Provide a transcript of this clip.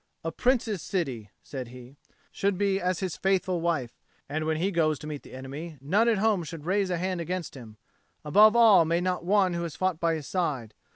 "A Prince's city," said he, "should be as his faithful wife; and when he goes to meet the enemy, none at home should raise a hand against him; above all may not one who has fought by his side.